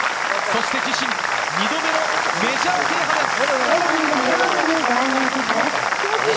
そして自身２度目のメジャー制覇です！